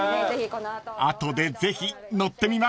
［後でぜひ乗ってみましょう］